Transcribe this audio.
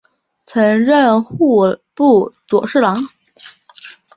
曾任户部左侍郎。